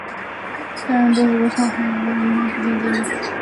担任中国工商银行温州分行营业部副总经理。